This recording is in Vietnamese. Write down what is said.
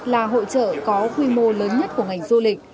là hội trợ có quy mô lớn nhất của ngành du lịch